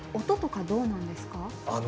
音とかどうなんですか？